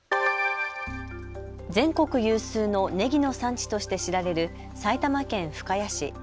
全国有数のねぎの産地として知られる埼玉県深谷市。